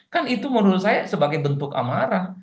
kan itu menurut saya sebagai bentuk amarah